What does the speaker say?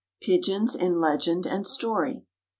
PIGEONS IN LEGEND AND STORY.